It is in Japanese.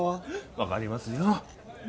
分かりますよ